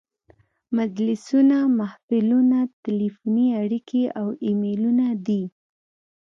مجلسونه، محفلونه، تلیفوني اړیکې او ایمیلونه دي.